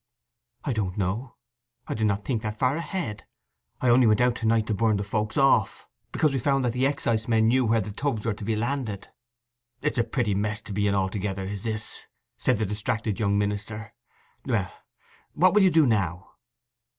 'I don't know. I did not think so far ahead. I only went to night to burn the folks off, because we found that the excisemen knew where the tubs were to be landed.' 'It is a pretty mess to be in altogether, is this,' said the distracted young minister. 'Well, what will you do now?